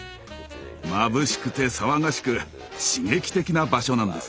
まぶしくて騒がしく刺激的な場所なんです。